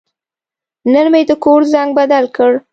نن مې د کور زنګ بدل کړ.